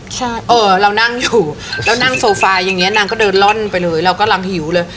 ใช่เออเรานั่งอยู่แล้วนั่งโซฟาอย่างนี้นางก็เดินล่อนไปเลยเรากำลังหิวเลย